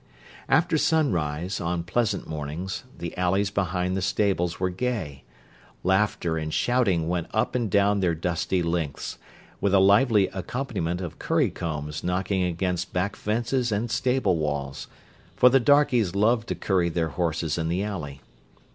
After sunrise, on pleasant mornings, the alleys behind the stables were gay; laughter and shouting went up and down their dusty lengths, with a lively accompaniment of curry combs knocking against back fences and stable walls, for the darkies loved to curry their horses in the alley.